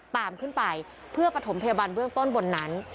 ตามขึ้นไปเพื่อปฐมพยาบาลเบื้องต้นบนนั้น